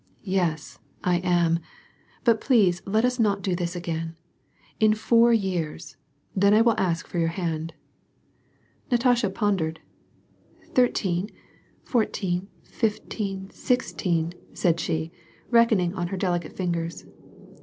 " Yes, I am, but please let us not do this again. — In four years, — then I will ask for your hand." Natasha pondered. "Thirteen, fourteen, fifteen, sixteen," said she, reckoning on her delicate fingers.